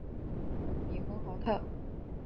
比亨豪特。